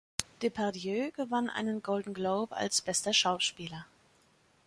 Depardieu gewann einen Golden Globe als bester Schauspieler.